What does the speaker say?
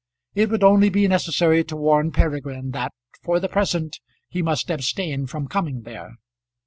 It would only be necessary to warn Peregrine that for the present he must abstain from coming there.